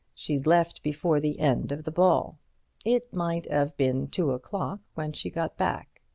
She'd left before the end of the ball. It might 'ave been two o'clock when she got back.